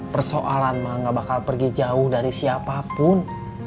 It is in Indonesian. persoalan mah gak bakal pergi jauh dari siapapun